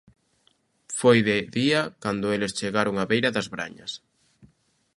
Foi de día cando eles chegaron á beira das brañas.